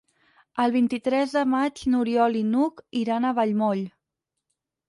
El vint-i-tres de maig n'Oriol i n'Hug iran a Vallmoll.